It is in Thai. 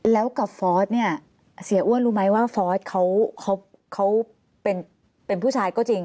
แล้วกับฟอสเนี่ยเสียอ้วนรู้ไหมว่าฟอร์สเขาเป็นผู้ชายก็จริง